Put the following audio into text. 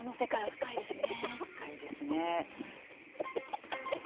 深いですね。